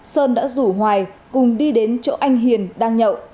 sơn đã rủ hoài cùng đi đến chỗ anh hiền đang nhậu